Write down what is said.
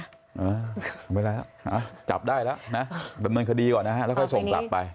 เวลาแล้วจับได้แล้วนะดำเนินคดีก่อนนะฮะแล้วค่อยส่งกลับไป